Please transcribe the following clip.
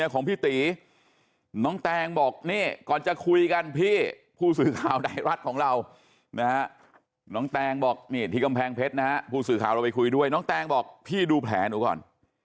ของพี่ตีน้องแตงบอกนี่ก่อนจะคุยกันพี่ผู้สื่อข่าวไทยรัฐของเรานะฮะน้องแตงบอกนี่ที่กำแพงเพชรนะฮะผู้สื่อข่าวเราไปคุยด้วยน้องแตงบอกพี่ดูแผลหนูก่อน